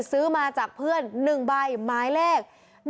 ซื้อมาจากเพื่อน๑ใบหมายเลข๑